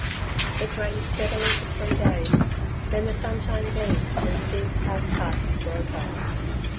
It rained steadily for three days; then the sunshine gleamed and Steve's house party broke up.